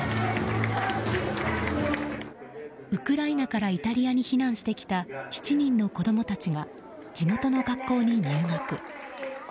ウクライナからイタリアに避難してきた７人の子供たちが地元の学校に入学。